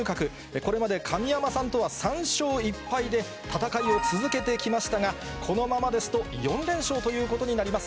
これまで神山さんとは３勝１敗で、戦いを続けてきましたが、このままですと４連勝ということになります。